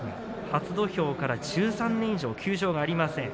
初土俵から１３年以上休場がありません。